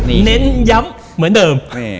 เน้นย้ำเหมือนเดิม